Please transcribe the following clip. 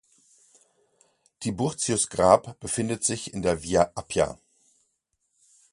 Tiburtius’ Grab befindet sich in der Via Appia.